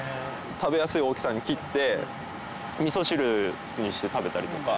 食べやすい大きさに切ってみそ汁にして食べたりとか。